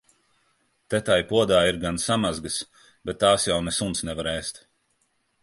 Te tai podā ir gan samazgas, bet tās jau ne suns nevar ēst.